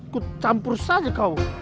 kucampur saja kau